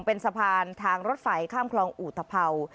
เป็นสะพานทางรถไฟข้ามคลองอุทธภาว